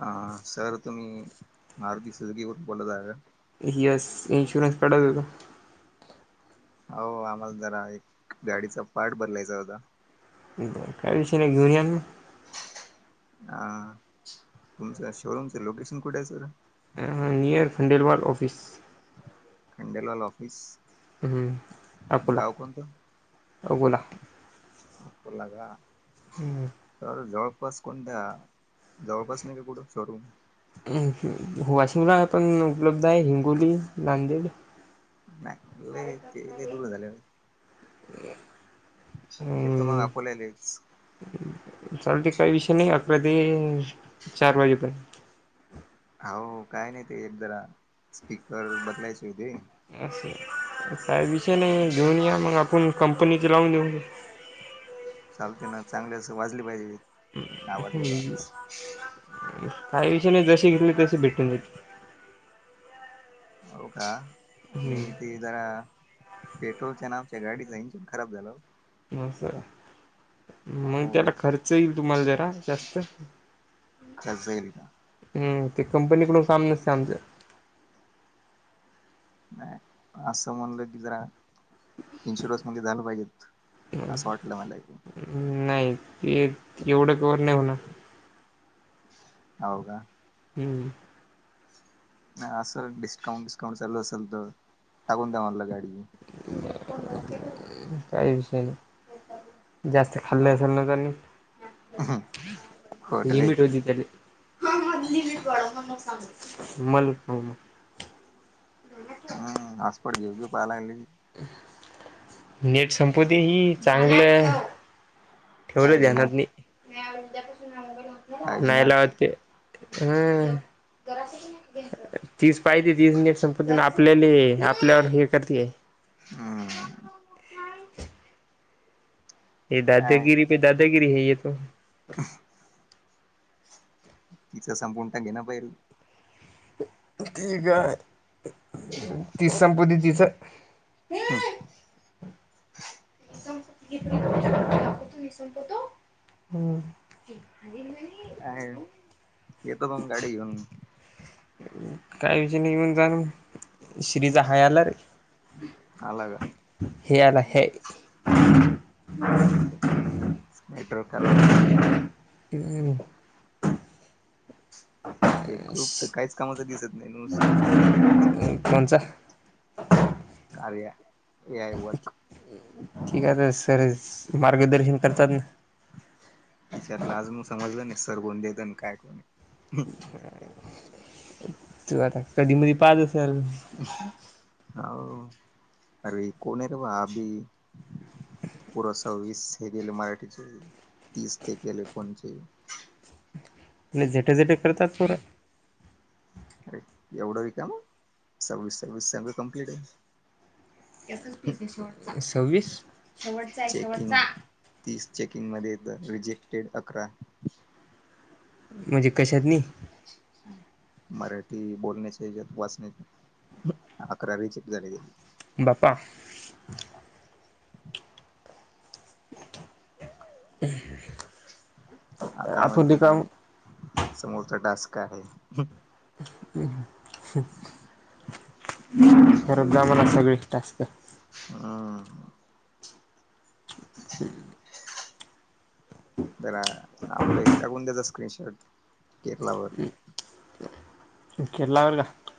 ह सर तुम्ही मारती सजगकीवर बोलत आहे का? येस इनशोरन्स [unintelligible] अहो आम्हाला जरा एक, गाडीचा पार्ट बदलायचा होता. काही विषय नाही घेऊन यान- हां तुमचं शोरूमचं लोकेशन कुठे आहे सर, अ नियर खंडेलवाल ऑफिस, गेलेला ऑफिस, हम्म अकोला गाव कोणतं? अगोला अकोला का? हम्म. तर जवळपास कोणत्या जवळपास नाही का कुठं शोरूम हम्म हम वाशिमला पण उपलब्ध आहे, हिंगोली नांदेड ल ते ल दुर झाले. येतो ना हं अकोल्याला एक दिवस. चालते काही विषय नाही अकोल्यात ये चार वाजेपर्यंत हो काय नाही ते जरा स्पीकर बदलायचे होते. असे, काय विषय अहो नाही घेऊन या मग आपण कंपनीचे लावून देऊ. चालते ना चांगले वाजले पाहिजे आवाज हं बिवाज काही विषय नाही जसे घेतली तशी भेटून जातील. होका आणि हं ते जरा पेट्रोलच्या आण आमच्या गाडीचं इंजिन खराब झालं ओ हो मग अहो त्याला खर्च येईल तुम्हाला जरा जास्त खर्च येईल का? हम्म ते कंपनीकडून सामने [unintelligible] नाही असं म्हणलं की जरा इन्शुरस मधी झालं पाहिजेत. आस वाटल मला ऐकून नाही ते एवढं कव्हर नाही होणार. हो का? हम्म. नाही असं डिस्काउंट वििस्काउंट चालू असेल तर टाकून द्या म्हणलं गाडी काही विषय नाही. जास्त खाल्लं हो असल त्यांनी खोट रे लिमिट होती त्या हा हा लिमिट वाढवा म्हणूनच सांगते. हम्म आसपट घेऊ पाहाला लागली. नीट संपुदे ही चांगलं. ठेवलं काळजी नाही ध्यानात मी. काळजी नाही लावत वाटते ते हम्म. तीच पाहिजे तीच नट संपुदे आपल्या आपल्यावर हे करते. हम. हे काय दादागिरी पे दादागिरी है य तो [unintelligible] तिचं संपून टाकीन पाहिल. ती ग तीचं संपूदे तिज हम्. [unintelligible] हूं साहेब येतो मंग गाडी घेऊन. कायमची निघून जाण श्रीचा हाय आला रे आला का हे आला हे मं ते नेटवर्क आला वाटत सिम [unintelligible] एक ग्रुप तर काहीच कामाच दिसत नाही नुस तितच टाईमपास कर कोणचा? कार्या ए आय वर्क ठीक आहे तर सर चं मार्गदर्शन करतात न. तिसतला अजुन समजलं नाही, सर कोणते येत आणि काय कोण ये. मग तो आता कधी मधी पाहत असल. हा अरे कोण आहे बाळा अभी थोडंसा वीस हे केेले मराठीचे तीस ते केेले कोणचे लय झटा झटा करतात पोरं. अरे, एवढं रीकाम, सव्वीस सव्वीस सगळ कम्प्लीट हाय. सव्वीस शेवटचा आहे चेकिंग शेवटचा. तीस चेकिंगमध्ये येत, रिजेक्टेड अकरा म्हणजे कशात ले मराठी बोलण्याचा हयाच्यात, वाचण्याचे अकरा रिजेक्ट झाले. बाप्पा [unintelligible] आता आपण म्हणते की रिकाम समोरचा टास्क आहे. करत जा म्हनाव सगळेच टास्क हा [unintelligible] जरा आपला हे टाकून द्यायच स्क्रीनशॉट [unintelligible] खेत लागल का?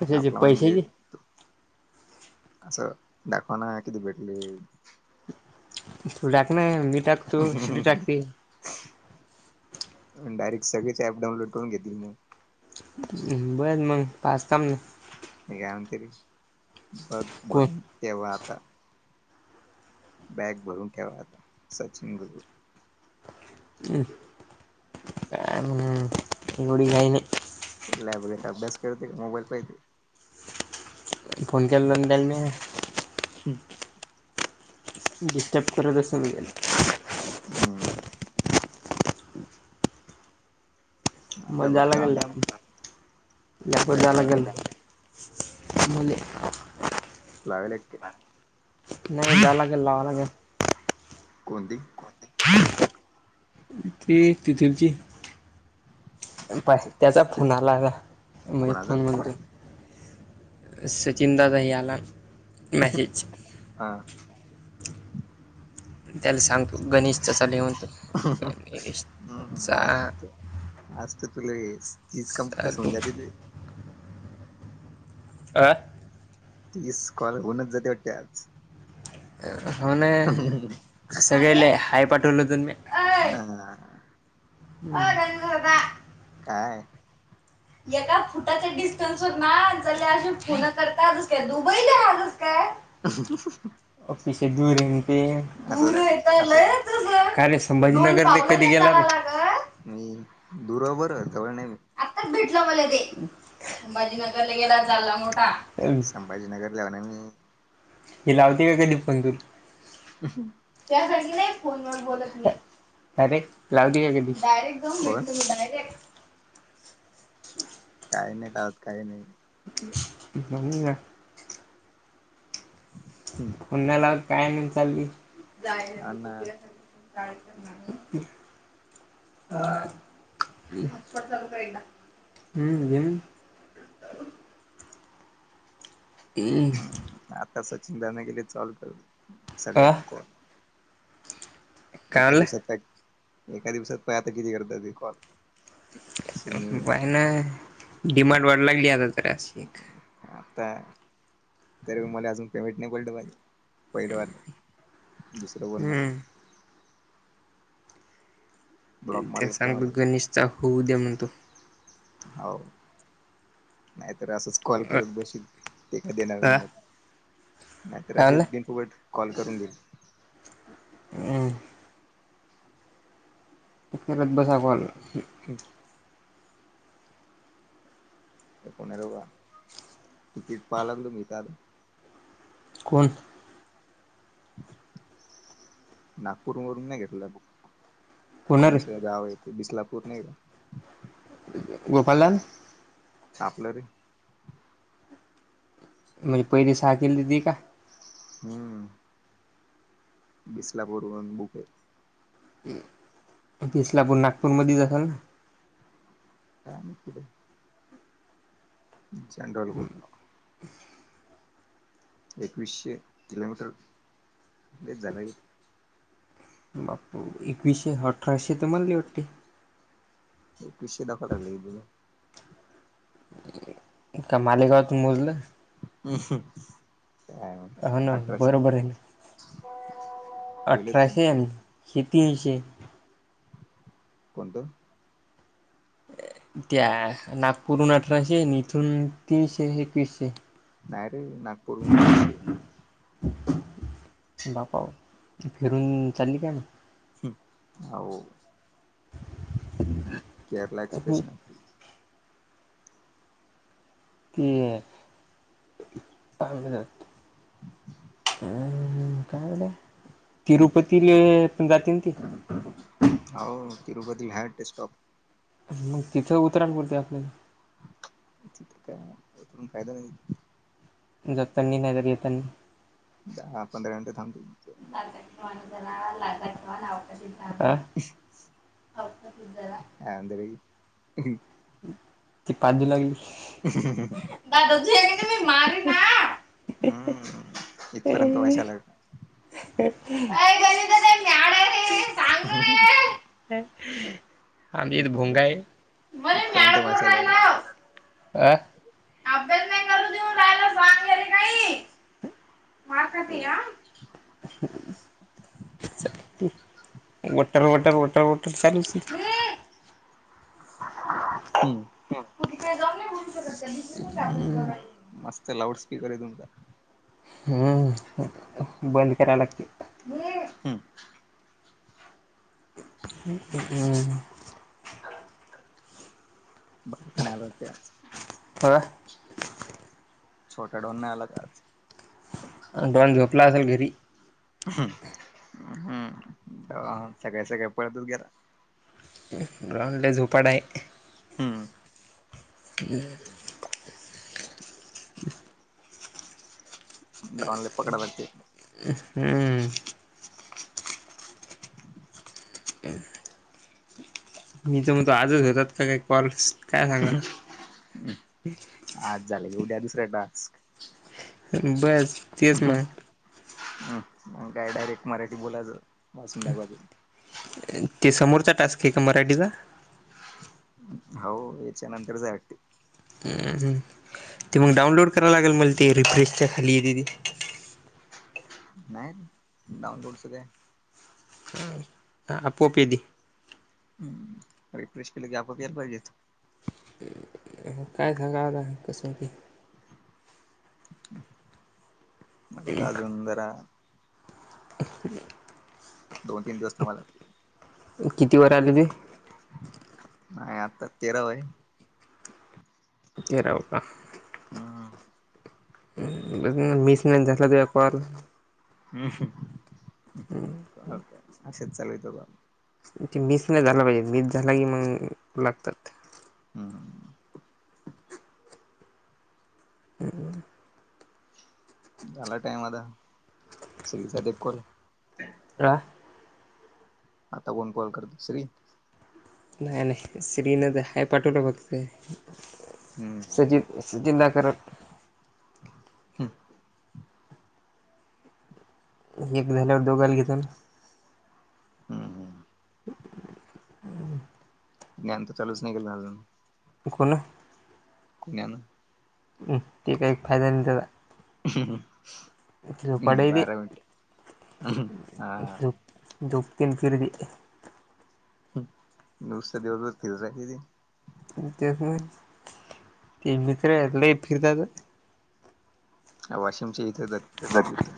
कशाचे आपला म्हणजे पैशाची असं, दाखव ना किती भेटलेत. तू टाक ना, मी टाकतो श्री [unintelligible] टाकते मंग डायरेक्ट सगळेच ऍप डाउनलोड करून घेतील म. बरं मंग पाचतामं ते काय आमच्या तच सात कोण भरून ठेव्हा आता बॅग भरून ठेवा आता, सचिन गुरु. [unintelligible] काय मंग गडी नाय घेत चिडलाय बघ आता अभ्यास करते काय मोबाईल पाहितेय. फोन केलेला ना त्यानीं डिस्टर्ब करत असल मी त्याला. [unintelligible] आता मला फक्त जायला आम लागल भरपूर लॅब जायला लावायला लागल काय त्या मुले लागले. नाही त्याला ग,, लावाय लागलऽ. कोणती? ति तिथलची पाय त्याचा फोन आला आता, म्हणजे कोणाचा फोन म्हणऽ. सचिन दा नाही आला मॅसेज. हा. त्याला सांगतो गणेशचा सली तो हम्म गणेशचा आज आज तर तुला तीच कंपटर चालू सोनल्या तेते. आं. तीस कॉल होऊनच जाते वाटते आज हो ना सगळे्याला हाय पाठवलं होतन मी हा, ओ रंगूर दादाऽ. काय? एका फुट. त्या डस्टनस ना ज अ फोन करत तस काय दुबईला राहत काय. पिसे दुर येन ते दूर असं येत. असं काय रे संभाजीनगर ले कधी गेला? मी दुर हो बरं जवळ नाही मी. भ ते भाजी नगरला गेला झालला मोठा. संभाजीनगरला हौ ना मी. ती लावते का कधी फोन तुला? ह. त्याचचले फोन वर बोलत मी का रे लावती का कधी डायरेक्ट जाऊन कोण भेटतो मी डायरेक्ट काय माहित आज काही नाही नाही पुन्हाला काय आणायला चालली जाय ना तू तुया काम कर ह हम्म अम्मह ह् आता सचिन दा नाही गेले तर चालत अ सगळ्यांकोआ काय एका म्हणला दिवसात प एका दिवसात प आता किती करतात हे कॉल तुम्ही पाय ना डिमांड वढाय लागली आता जराशी एक आता तर मला अजून पेमेंट नाही पडल पाहिले पहिलं वाटल दुसरं बोलण हम्म ब्लॉक त्याला मारला काय सांगतो मला गणेशचा होऊ दे्या म्हणतो. हो नाहीतर असं कॉल अ करत बसील ते काय देणार नाही म नाहीतर असेच म्हणला बिनफुकट कॉल करून देई हम् करत बसा कॉल हो् पुण्यालो का तिकीट पाहा लागलो मी तर आता कोण नागपूर वरून नाही घेतलं कोण रे कोणचं गाव आहे ते बिसलापूर नाही का? गोपाललाल. छापल रे. म्हणजे पहिली साखील दिदी का? हम्म. बिसलापरून बुके. भिसलापूर नागपूरमध्ये जाताना. काय माहिती कुठे जनरल कोठा एकवीसशे किलोमीटर लईच झालंय. बापू एकवीसशे अठराशे तर म्हणले होते. ह [unintelligible] [inaudible] त्या मालेगावात मोजलं. हम्म.. हो ना अठराशे. बरोबर आहे ना पहिले तर अठराशे आणि हे तीनशे. कोणतं त्या नागपूर वरून अठराशे नी इथून तीनशे एकवीसशे नाही रे नागपूर वरून एकविसशे बापा फिरून चालली काय नू [inaudible] हम्म अहो केरला एक्सप्रेस नव्हती [inaudible] अ काय झालं तिरुपतीले पण जाते ती हो तिरुपती हाय ते स्टॉप. मग तिथं उतराना बोलतोय आपल्याला. तिथे काय उतरून फायदा नाही. जातानी नाही तर येतानी. दहा पंधरा मिनिटे थांबते तिथे [inaudible] [inaudible] [inaudible] [inaudible] [unintelligible] ना हम्म इथपर्यंत वास यालाय. [inaudible] [inaudible] [inaudible] इथपर्यंत इथपर्यंत वाशा लागला [inaudible] अभ्यास नाही करू देऊन राहायला सांग रे काही मार खातीया. Water water water water water चालुच ती हम्म. तुम्ही काय जावून बोलू शकत त्यांनी हम्म मस्त लाऊड स्पीकर आहे तुमचा. हम्म बंद करा लागतंय. हम्म. हम. बरका नाही आल वाटते आज. व्हय. छोटा डॉन नाही आला काय आज‌? डॉन झोपला असल घरी. हम् हम्म डॉन सकाळी सकाळी पळतच गेला. डॉन लई झोपाडा आहे. हम्. [unintelligible] डॉन ला पकडाय लागतंय. हम्म. [inaudible] मी तर म्हणतो आजच होतात का काय कॉल्स. आज झालं की उद्या दुसरा टास्क बस तेच ह मग मग काय डायरेक्ट मराठी बोलायचं बसंदाबाजून ते समोरचा टास्क आहे का मराठीचा हो याच्या नंतरच आहे वाटते. ते मग डाउनलोड करावला लागेल मला ते रिफ्रेशच्या खाली येतय ति नाही डाऊनलोडच काय? हम् ह आपोआप येली. हम् रिफ्रेश केलं की आपोआप यायला पाहिजे. काय सग कसं की. मग अजून जरा. दोन तिन दिवस थांबवा लागतील. किती वर आले ती माय आता तेराव ये तेरावा का? हा मिस नाही झाला तुझा कॉल हम्म ह चालत असेच चालायच ब मीस नाही झाला पाहिजे मीस झाला की मग लागतात हम हम् झाला टाईम आता [inaudible] रा आता कोण कॉल करत श्री नाही नाही, श्री नद हाय पाठवलं बघतय हम्म सजित जिंदा करल [inaudible] हम एक झाल्यावर दोगाल घेतन हम् हम हम् ज्ञान तर चालूच नाही केलं अजून कोण कुण्यानं ते काही फायदा नाही त्या झोपाडे ते बारा मिनिट हा दो तीन फिरीरी [inaudible] नुसत दिवस भर फिरत राहत कि ती तेच ते मित्र ल फिरतात. ह वाशिमच्या इथे जात त्या मित्र